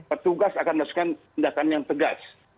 petugas akan melakukan tindakan yang tegas